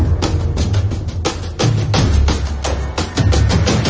แล้วก็พอเล่ากับเขาก็คอยจับอย่างนี้ครับ